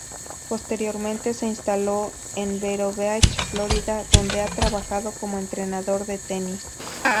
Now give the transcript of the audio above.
Posteriormente se instaló en Vero Beach, Florida, donde ha trabajado como entrenador de tenis.